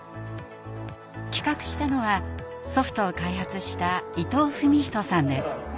企画したのはソフトを開発した伊藤史人さんです。